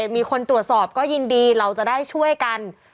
มีคนตรวจสอบก็ยินดีเราจะได้ช่วยกัน